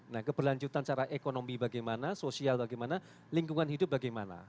nah keberlanjutan secara ekonomi bagaimana sosial bagaimana lingkungan hidup bagaimana